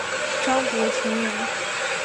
张伯淳人。